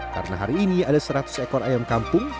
karena hari ini ada seratus ekor ayam kampung